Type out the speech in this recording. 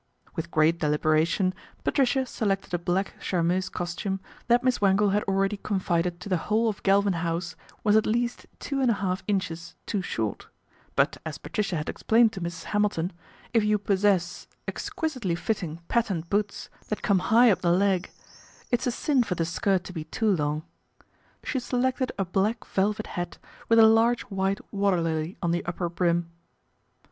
With great deliberation Patricia selected a black charmeuse costume that Miss Wangle had already 27 28 PATRICIA BRENT, SPINSTER confided to the whole of Galvin House was at least two and a half inches too short ; but as Patricia had explained to Mrs. Hamilton, if you possess exquisitely fitting patent boots that come high up the leg, it's a sin for the skirt to be too long. She selected a black velvet hat with a large white water lily on the upper brim.